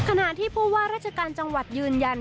ขณะที่ผู้ว่าราชการจังหวัดยืนยัน